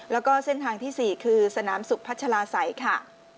และเส้นทางที่๔สนามสุขพัชลาศัยค่ะ